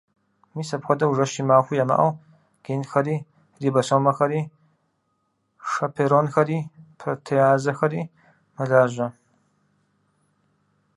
Мис апхуэдэу жэщи махуи ямыӏэу генхэри, рибосомэхэри, шэперонхэри, протеазэхэри мэлажьэ.